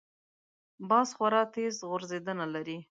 باز خورا تېز غورځېدنه لري